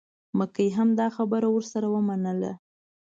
مکۍ هم دا خبره ورسره ومنله.